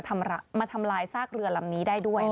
มาทำลายซากเรือลำนี้ได้ด้วย